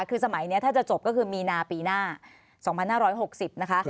คือสมัยนี้ถ้าจะจบก็คือมีนาปีหน้า๒๕๖๐นะคะ